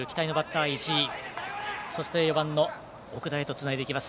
そして、石井そして、４番の奥田へとつないでいきます。